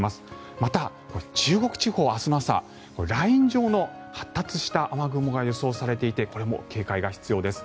また、中国地方は明日の朝ライン状の発達した雨雲が予想されていてこれも警戒が必要です。